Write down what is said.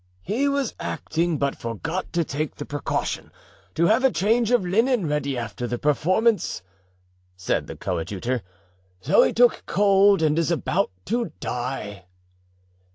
"He was acting, but forgot to take the precaution to have a change of linen ready after the performance," said the coadjutor, "so he took cold and is about to die."